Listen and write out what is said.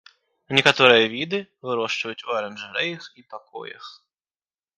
Некаторыя віды вырошчваюць у аранжарэях і пакоях.